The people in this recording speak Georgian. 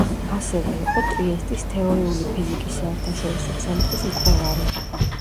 ასევე იყო ტრიესტის თეორიული ფიზიკის საერთაშორისო ცენტრის მკვლევარი.